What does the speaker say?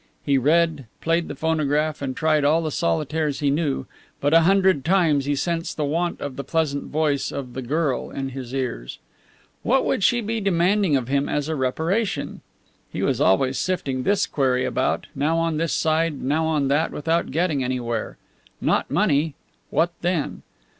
He read, played the phonograph, and tried all the solitaires he knew; but a hundred times he sensed the want of the pleasant voice of the girl in his ears. What would she be demanding of him as a reparation? He was always sifting this query about, now on this side, now on that, without getting anywhere. Not money. What then?